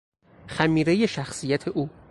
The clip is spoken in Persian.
خمیرهی شخصیت او